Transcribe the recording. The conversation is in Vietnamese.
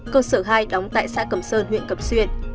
cơ sở hai đóng tại xã cẩm sơn huyện cẩm xuyên